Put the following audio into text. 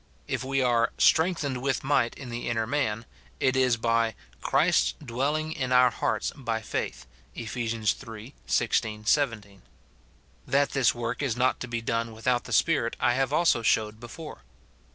If we are "strengthened with might in the inner man,"* it is by " Christ's dwelling in our hearts by faith," Eph. iii. 16, 17. That this work is not to be done without the Spirit I have also showed before.